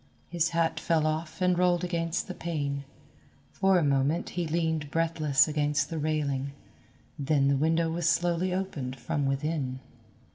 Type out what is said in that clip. His hat fell off and rolled against the pane. For a moment he leaned breathless against the railing then the window was slowly opened from within.